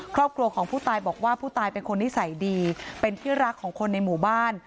ครอบครัวของผู้ตายบอกว่าผู้ตายเป็นคนนิสัยดีเป็นที่รักของคนในหมู่บ้าน